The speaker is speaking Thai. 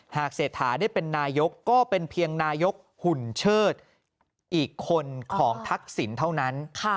เศรษฐาได้เป็นนายกก็เป็นเพียงนายกหุ่นเชิดอีกคนของทักษิณเท่านั้น